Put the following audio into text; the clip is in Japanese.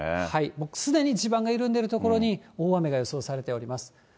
もうすでに地盤が緩んでいる所に大雨が予想されております。